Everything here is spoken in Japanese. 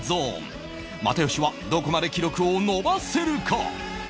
又吉はどこまで記録を伸ばせるか？